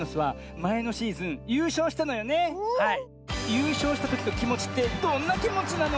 ゆうしょうしたときのきもちってどんなきもちなの？